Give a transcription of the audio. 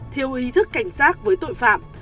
thiếu ý thức cảnh sát với tội phạm